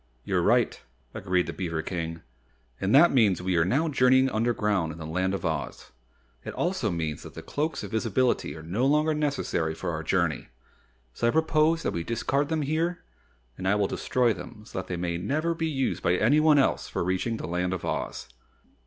"You're right," agreed the beaver King. "And that means we are now journeying underground in the Land of Oz. It also means that the Cloaks of Visibility are no longer necessary for our journey, so I propose that we discard them here and I will destroy them so that they may never be used by anyone else for reaching the Land of Oz."